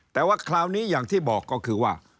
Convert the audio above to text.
แต่ว่าคราวนี้อย่างที่บอกก็คือว่า